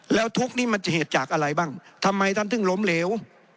แล้วทุกข์นี้มันจะเหตุจากอะไรบ้างทำไมท่านถึงล้มเหลว